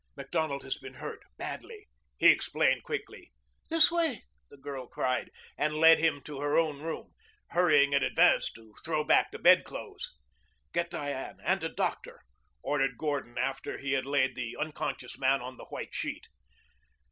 "Macdonald has been hurt badly," he explained quickly. "This way," the girl cried, and led him to her own room, hurrying in advance to throw back the bedclothes. "Get Diane and a doctor," ordered Gordon after he had laid the unconscious man on the white sheet.